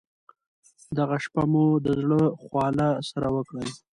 دغه شپه مو د زړه خواله سره وکړل.